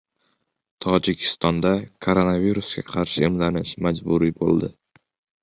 Tojikistonda koronavirusga qarshi emlanish majburiy bo‘ldi